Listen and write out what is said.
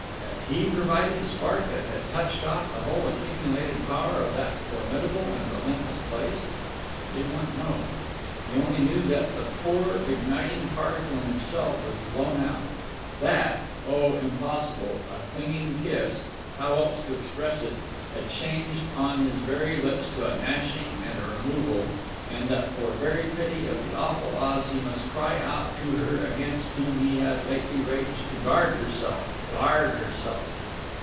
Had he provided the spark that had touched off the whole accumulated power of that formidable and relentless place? He did not know. He only knew that that poor igniting particle in himself was blown out, that Oh, impossible! a clinging kiss (how else to express it?) had changed on his very lips to a gnashing and a removal, and that for very pity of the awful odds he must cry out to her against whom he had lately raged to guard herself ... guard herself....